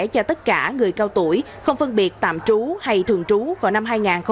cho tất cả người cao tuổi không phân biệt tạm trú hay thường trú vào năm hai nghìn hai mươi